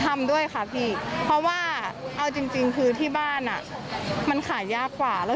ทำด้วยค่ะเพราะว่าจริงที่บ้านมันขายยากกว่า